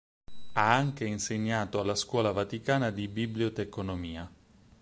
Ha anche insegnato alla Scuola vaticana di biblioteconomia.